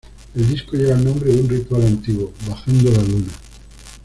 El disco lleva el nombre de un ritual antiguo, "bajando la Luna".